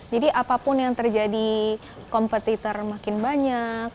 jadi apapun yang terjadi kompetitor makin banyak